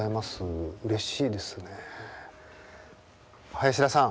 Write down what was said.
林田さん。